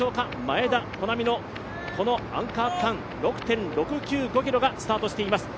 前田穂南のアンカー区間、６．６９５ｋｍがスタートしています。